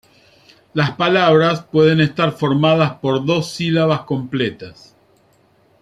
Las palabras pueden estar formadas por dos sílabas completas.